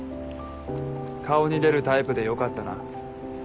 顔に出るタイプでよかったな。